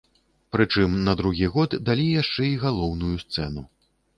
Прычым, на другі год далі яшчэ і галоўную сцэну.